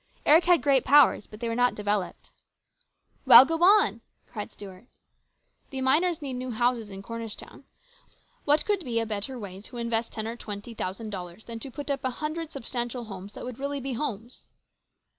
Eric had great powers, but they were not developed. " Well, go on !" cried Stuart. " The miners need new houses in Cornish town. What could be a better way to invest ten or twenty thousand dollars than to put up a hundred substantial houses that would really be homes?"